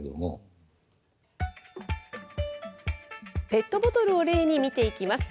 ペットボトルを例に見ていきます。